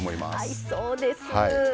合いそうです。